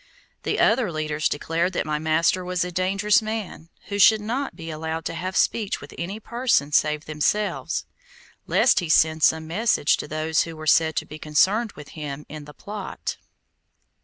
The other leaders declared that my master was a dangerous man, who should not be allowed to have speech with any person save themselves, lest he send some message to those who were said to be concerned with him in the plot.